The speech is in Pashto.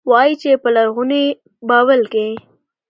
وايي، چې په لرغوني بابل کې